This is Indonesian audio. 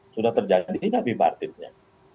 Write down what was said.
sudah terjadi ini tidak dipartipnya